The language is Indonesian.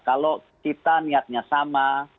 kalau kita niatnya sama